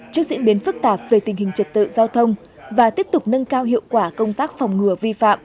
trước diễn biến phức tạp về tình hình trật tự giao thông và tiếp tục nâng cao hiệu quả công tác phòng ngừa vi phạm